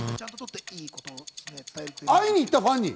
会いに行った、ファンに。